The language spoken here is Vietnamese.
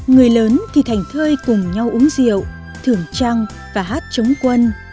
người lớn thì thành thơi cùng nhau uống rượu thường trăng và hát chống quân